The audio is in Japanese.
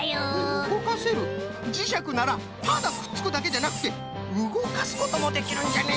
うごかせるじしゃくならただくっつくだけじゃなくてうごかすこともできるんじゃね。